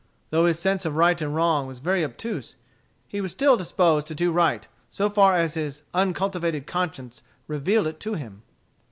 Though his sense of right and wrong was very obtuse, he was still disposed to do the right so far as his uncultivated conscience revealed it to him.